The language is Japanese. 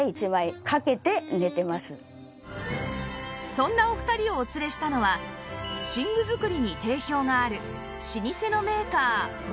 そんなお二人をお連れしたのは寝具作りに定評がある老舗のメーカーモリリン